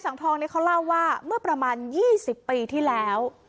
ทองนี้เขาเล่าว่าเมื่อประมาณ๒๐ปีที่แล้ว